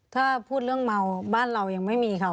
ถ้าพูดเรื่องเมาบ้านเรายังไม่มีค่ะ